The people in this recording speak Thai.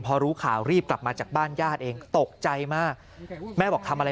พอรู้ข่าวรีบกลับมาจากบ้านญาติเองตกใจมากแม่บอกทำอะไร